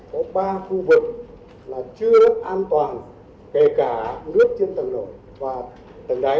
có ba khu vực là chưa an toàn kể cả nước trên tầng nổi và tầng đáy